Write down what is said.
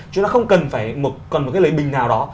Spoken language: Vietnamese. chúng ta không cần phải một cái lấy bình nào đó